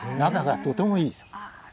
仲がとてもいいです。